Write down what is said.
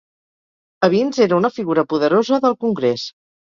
Evins era una figura poderosa del Congrés.